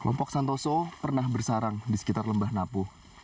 kelompok santoso pernah bersarang di sekitar lembah napu